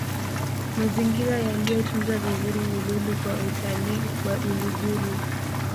mazingira yaliyotunzwa vizuri ni lulu kwa utalii wa uluguru